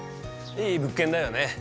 いい物件だよね。